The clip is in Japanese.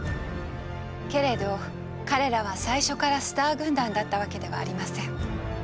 けれど彼らは最初からスター軍団だったわけではありません。